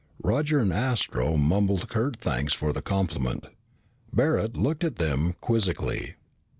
Roger and Astro mumbled curt thanks for the compliment. Barret looked at them quizzically.